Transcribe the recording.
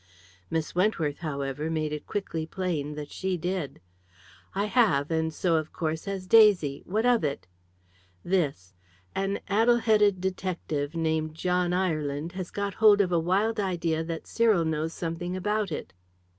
Miss Wentworth, however, made it quickly plain that she did. "I have; and so of course has Daisy. What of it?" "This. An addle headed detective, named John Ireland, has got hold of a wild idea that Cyril knows something about it."